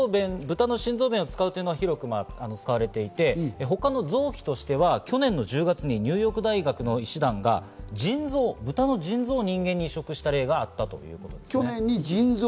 ブタの心臓弁を使うというのは広く使われていて、他の臓器としては去年の１０月にニューヨーク大学の医師団がブタの腎臓を人間に移植した例があったということですね。